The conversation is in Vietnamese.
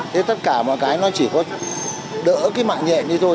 thế tất cả mọi cái nó chỉ có đỡ cái mạng nhẹ như thôi